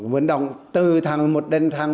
vận động từ tháng một đến tháng một mươi hai